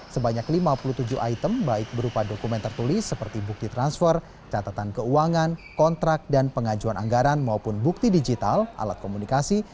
sebanyak lima puluh tujuh item baik berupa dokumen tertulis seperti bukti transfer catatan keuangan kontrak dan pengajuan anggaran maupun bukti digital alat komunikasi